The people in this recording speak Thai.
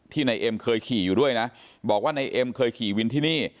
นายเอ็มเคยขี่อยู่ด้วยนะบอกว่านายเอ็มเคยขี่วินที่นี่